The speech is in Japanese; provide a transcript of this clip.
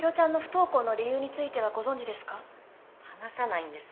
話さないんです